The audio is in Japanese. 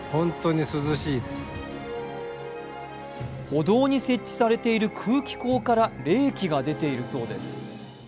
歩道に設置されている空気孔から冷気が出ているそうです。